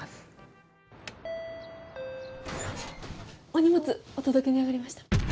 お荷物お届けに上がりました。